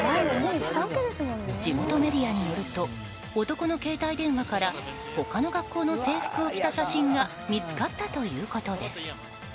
地元メディアによると男の携帯電話から他の学校の制服を着た写真が見つかったということです。